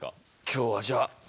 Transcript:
今日はじゃあ。